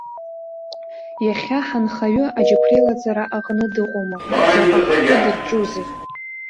Иахьа ҳанхаҩы аџьықәреилаҵара аҟны дыҟоума, заҟа хкы дырҿузеи?